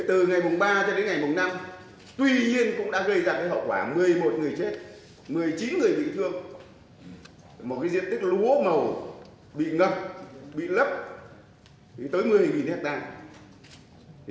từ ngày ba cho đến ngày năm tuy nhiên cũng đã gây ra hậu quả một mươi một người chết một mươi chín người bị thương một diện tích lúa màu bị ngập bị lấp tới một mươi hectare